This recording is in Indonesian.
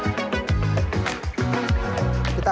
masukkan air panas